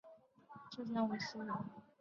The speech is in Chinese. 浙江吴兴人。